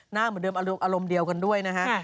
เหมือนเดิมอารมณ์เดียวกันด้วยนะฮะ